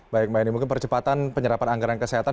baik mbak eni mungkin percepatan penyerapan anggaran kesehatan